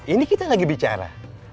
ini kita lagi bicara